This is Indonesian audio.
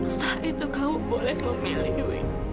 setelah itu kamu boleh memilih ibu